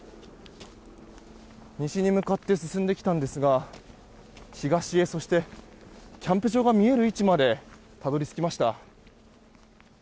西に向かって進んできたんですが東へそして、キャンプ場が見える位置までたどり着きました。